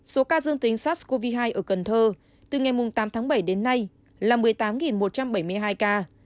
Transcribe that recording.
số ca dương tính sars cov hai ở cần thơ từ ngày tám tháng bảy đến nay là một mươi tám một trăm bảy mươi hai ca